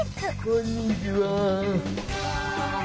こんにちは。